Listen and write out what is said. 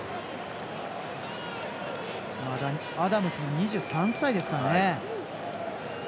アダムズも２３歳ですからね。